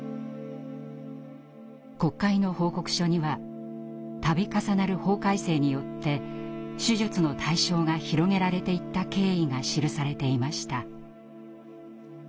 国会の報告書には度重なる法改正によって手術の対象が広げられていった経緯が記されていました。